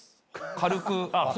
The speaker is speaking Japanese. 軽く。